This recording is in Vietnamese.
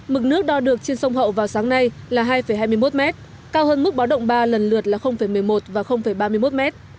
mực nước đo được trên sông hậu vào sáng nay là hai hai mươi một m cao hơn mức báo động ba lần lượt là một mươi một và ba mươi một m